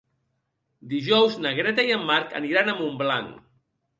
Dijous na Greta i en Marc aniran a Montblanc.